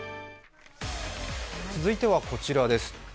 続いてはこちらです